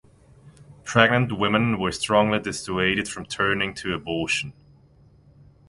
Pregnant women were strongly dissuaded from turning to abortion.